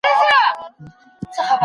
په ادبي بحثونو کي د متن تحلیل کېږي.